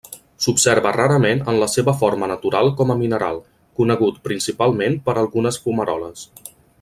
S'observa rarament en la seva forma natural com a mineral, conegut principalment per algunes fumaroles.